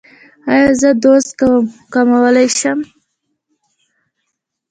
ایا زه دوز کمولی شم؟